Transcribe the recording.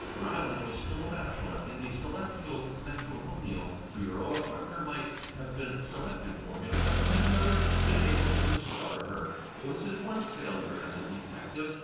Grodman was still a bachelor. In the celestial matrimonial bureau a partner might have been selected for him, but he had never PORTRAITS l6l been able to discover her. It was his one failure as a detective.